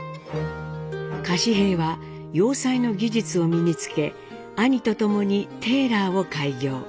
柏平は洋裁の技術を身につけ兄と共にテーラーを開業。